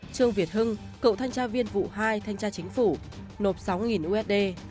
trương việt hưng cựu thanh tra viên vụ hai thanh tra chính phủ nộp sáu usd